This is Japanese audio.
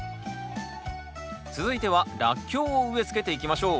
続いてはラッキョウを植え付けていきましょう。